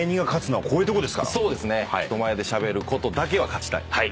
人前でしゃべることだけは勝ちたい。